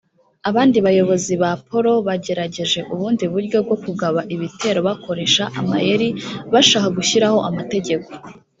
abandi bayobozi ba poro bagerageje ubundi buryo bwo kugaba ibitero bakoresha amayeri bashaka gushyiraho amategeko